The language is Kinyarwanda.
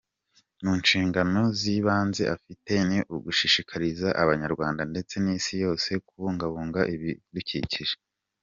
Mu nshingano z’ibanze afite ni ugushishikariza Abanyarwanda ndetse n’Isi yose kubungabunga ibidukikije.